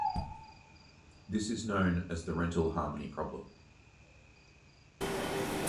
This is known as the Rental Harmony problem.